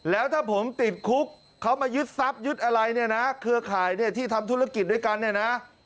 แล้วถ้าผมติดคุกเขามายึดทรัพย์ยึดอะไรเนี่ยนะเครือข่ายเนี่ยที่ทำธุรกิจด้วยกันเนี่ยนะ